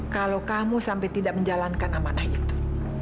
kalau kamu sampai tidak menjalankan amanah itu